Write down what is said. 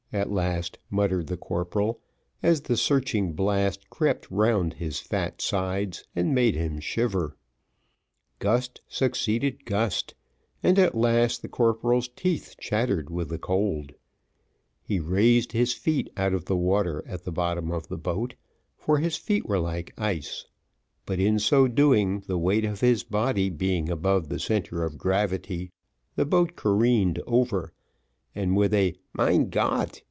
at last muttered the corporal, as the searching blast crept round his fat sides, and made him shiver. Gust succeeded gust, and, at last, the corporal's teeth chattered with the cold: he raised his feet out of the water at the bottom of the boat, for his feet were like ice, but in so doing, the weight of his body being above the centre of gravity, the boat careened over, and with a "Mein Gott!"